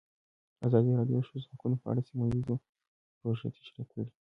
ازادي راډیو د د ښځو حقونه په اړه سیمه ییزې پروژې تشریح کړې.